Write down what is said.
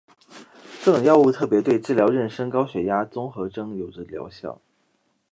这种药物特别对治疗妊娠高血压综合征有着疗效。